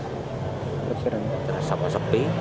sama sepi terus buka tadi ada dua kita ambil